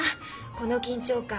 この緊張感